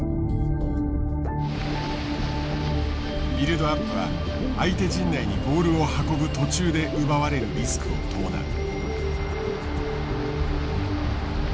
ビルドアップは相手陣内にボールを運ぶ途中で奪われるリスクを伴う。